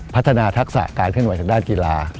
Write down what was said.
พัฒนาทักษะการขึ้นไหวจากด้านกีฬา